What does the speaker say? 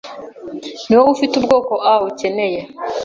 Niwowe ufite Ubwoko A ukeneye